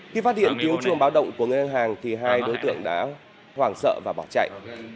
khi phát hiện cứu chuông báo động của ngân hàng thì hai đối tượng đã hoảng sợ và bỏ chạy